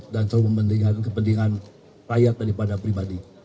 dan selalu mempentingkan kepentingan rakyat daripada pribadi